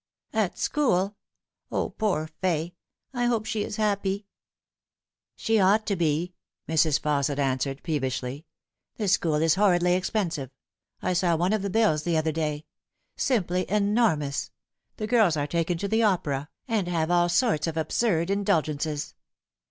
" At school ! O, poor Fay ! I hope she is happy." " She ought to be," Mrs. Fausset answered peevishly. ' The pchool is horridly expensive. I saw one of the bills the other day. Simply enormous. The girls are taken to the opera, and have all sorts of absurd indulgences."